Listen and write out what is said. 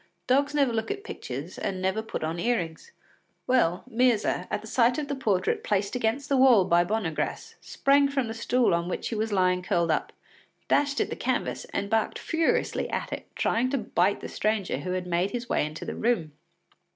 Dogs never look at pictures and never put on earrings. Well, Myrza, at the sight of the portrait placed against the wall by Bonnegr√¢ce, sprang from the stool on which she was lying curled up, dashed at the canvas and barked furiously at it, trying to bite the stranger who had made his way into the room.